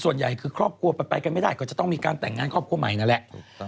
ส่วนใหญ่คือครอบครัวไปกันไม่ได้ก็จะต้องมีการแต่งงานครอบครัวใหม่นั่นแหละ